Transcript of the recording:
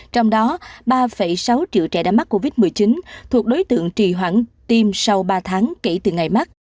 trong đó ba sáu triệu trẻ đã mắc covid một mươi chín thuộc đối tượng trì hoãn tiêm sau ba tháng kể từ ngày mắc